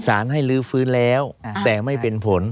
สารให้ลื้อฟื้นแล้วแต่ไม่เป็นผล